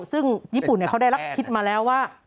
ซึ่งญี่ปุ่นเขาได้รับคิดมาแล้วว่า